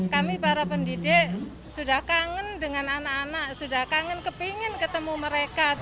kami para pendidik sudah kangen dengan anak anak sudah kangen kepingin ketemu mereka